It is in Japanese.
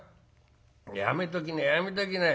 やめときなやめときな。